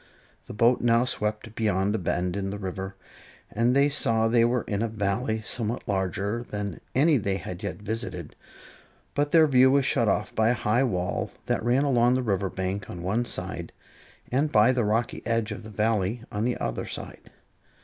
The boat now swept around a bend in the river, and they saw they were in a Valley somewhat larger than any they had yet visited; but their view was shut off by a high wall that ran along the river bank on one side, and by the rocky edge of the Valley on the other side.